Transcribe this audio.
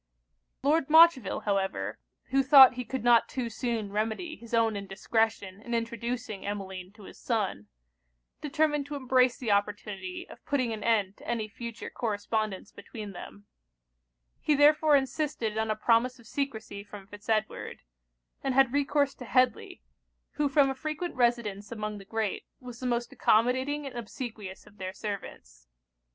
Lord Montreville however, who thought he could not too soon remedy his own indiscretion in introducing Emmeline to his son, determined to embrace the opportunity of putting an end to any future correspondence between them: he therefore insisted on a promise of secresy from Fitz Edward; and had recourse to Headly, who from a frequent residence among the great was the most accommodating and obsequious of their servants.